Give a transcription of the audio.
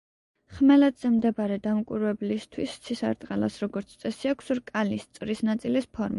ხმელეთზე მდებარე დამკვირვებლისთვის ცისარტყელას, როგორც წესი, აქვს რკალის, წრის ნაწილის, ფორმა.